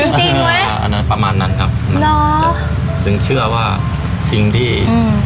มันจริงไหมอ่าอันนั้นประมาณนั้นครับเนอะถึงเชื่อว่าอืม